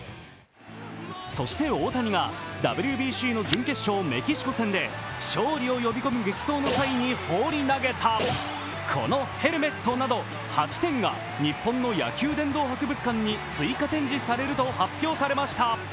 そして、大谷がＷＢＣの準決勝メキシコ戦で勝利を呼び込む激走の際に放り投げたこのヘルメットなど８点が日本の野球殿堂博物館に追加展示されると発表されました。